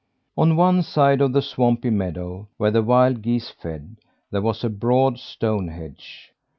On one side of the swampy meadow, where the wild geese fed, there was a broad stone hedge.